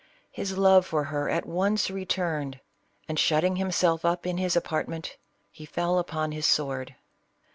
His love for her at once returned, and shutting him self up in his apartment, he fell upon his sword.